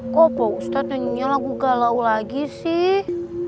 kok opa ustad nyanyinya lagu galau lagi sih